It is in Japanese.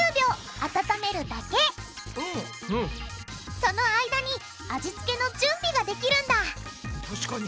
その間に味付けの準備ができるんだ確かに。